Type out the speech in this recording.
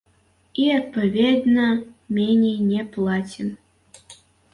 І, адпаведна, меней не плацім.